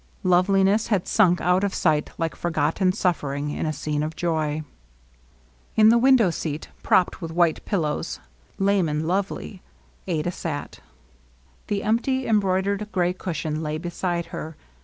Loveliness had sunk out of sight like forgotten suffering in a scene of joy. In the window seat, propped with white pillows^ 20 LOVELINESS. "lame and lovely," Adah sat. The empty em broidered gray cushion lay beside her.